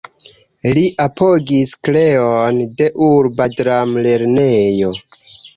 Li apogis kreon de Urba Dram-Lernejo.